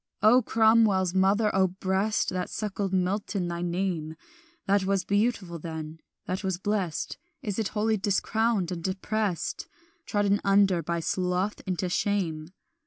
"O Cromwell's mother, O breast That suckled Milton! thy name That was beautiful then, that was blest, Is it wholly discrowned and deprest, Trodden under by sloth into shame?